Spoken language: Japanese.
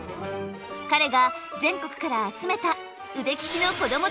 彼が全国から集めた腕利きのこども